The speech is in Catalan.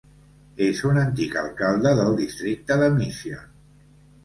És un antic alcalde del districte de Mission.